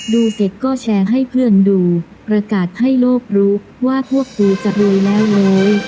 ดูเสร็จก็แชร์ให้เพื่อนดูประกาศให้โลกรู้ว่าพวกกูจะรวยแล้วไหม